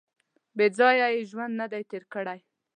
• بېځایه یې ژوند نهدی تېر کړی.